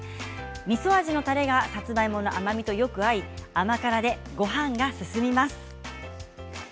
みそ味のたれが、さつまいもの甘みとよく合い、甘辛でごはんが進みます。